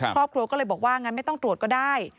ครอบครัวก็เลยบอกว่างั้นไม่ต้องตรวจก็ได้